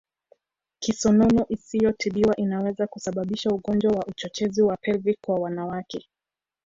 Kisonono isiyotibiwa inaweza kusababisha ugonjwa wa uchochezi wa Pelvic kwa wanawake